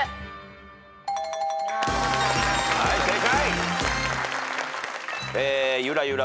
はい正解。